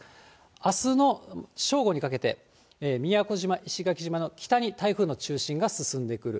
あすの正午にかけて、宮古島、石垣島の北に台風の中心が進んでくる。